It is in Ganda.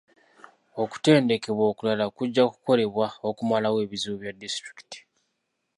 Okutendekebwa okulala kujja kukolebwa okumalawo ebizibu bya disitulikiti.